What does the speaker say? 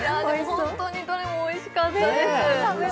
本当にどれもおいしかったです。